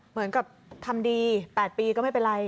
เหมือนกับทำดี๘ปีก็ไม่เป็นไร